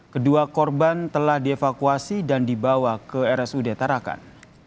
kedua korban telah dievakuasi dan dibawa ke rsud tarakan